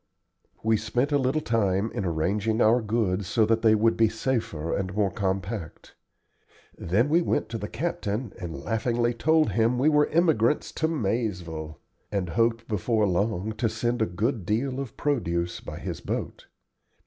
We spent a little time in arranging our goods so that they would be safer and more compact. Then we went to the captain and laughingly told him we were emigrants to Maizeville, and hoped before long to send a good deal of produce by his boat.